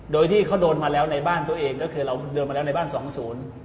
โดยที่เขาโดนมาแล้วในบ้านตัวเองก็คือเราเดินมาแล้วในบ้านสองศูนย์